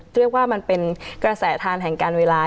เรียกว่ามันเป็นกระแสทานแห่งการเวลา